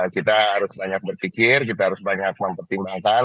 kita harus banyak berpikir kita harus banyak mempertimbangkan